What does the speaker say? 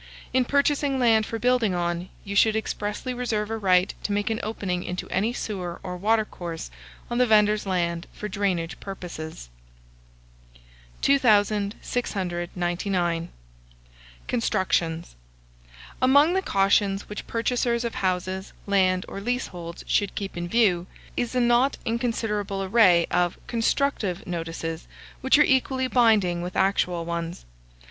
In purchasing land for building on, you should expressly reserve a right to make an opening into any sewer or watercourse on the vendor's land for drainage purposes. 2699. CONSTRUCTIONS. Among the cautions which purchasers of houses, land, or leaseholds, should keep in view, is a not inconsiderable array of constructive notices, which are equally binding with actual ones.